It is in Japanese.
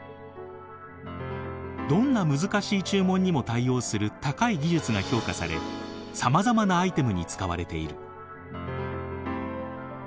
どんな難しい注文にも対応する高い技術が評価されさまざまなアイテムに使われている。